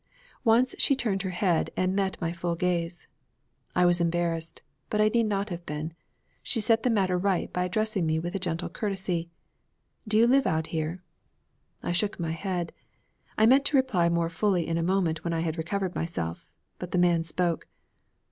Once she turned her head and met my full gaze. I was embarrassed, but I need not have been. She set the matter right by addressing me with a gentle courtesy. 'Do you live out here?' I shook my head. I meant to reply more fully in a moment when I had recovered myself; but the man spoke.